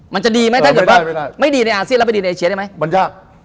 มันจะดีไหมถ้าเกิดว่าไม่ดีในอาเซียนแล้วไปดีในเอเชียได้ไหมมันยาก